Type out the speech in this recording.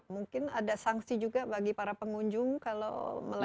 mungkin ada sanksi juga bagi para pengunjung kalau melihat